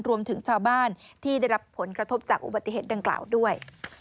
รวมถึงชาวบ้านที่ได้รับผลกระทบจากอุบัติเหตุดังกล่าวด้วย